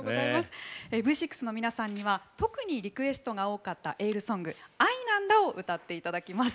Ｖ６の皆さんには特にリクエストが多かったエールソング「愛なんだ」を歌っていただきます。